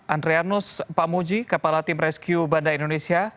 andrianus pamuji kepala tim rescue banda indonesia